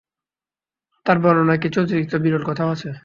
তার বর্ণনায় কিছু অতিরিক্ত বিরল কথাও আছে।